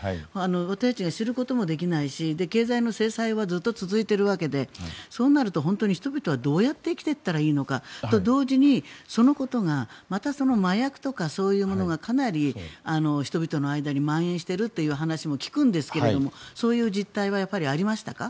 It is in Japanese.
私たちが知ることもできないし経済の制裁はずっと続いているわけでそうなると本当に人々はどうやって生きていったらいいのかそれと同時にそのことがまた麻薬とかそういうものがかなり人々の間にまん延しているという話も聞くんですがそういう実態はありましたか？